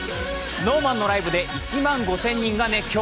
ＳｎｏｗＭａｎのライブで１万５０００人が熱狂。